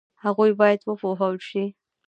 هغوی باید وپوهول شي.